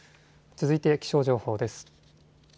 続いて気象情報です。